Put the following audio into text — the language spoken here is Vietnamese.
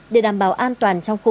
để đảm bảo an toàn trong khu vực